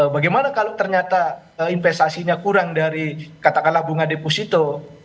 bagaimana kalau ternyata investasinya kurang dari katakanlah bunga deposito